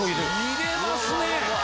入れますね！